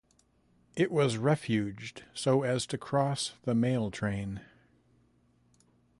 It was refuged so as to cross the Mail train.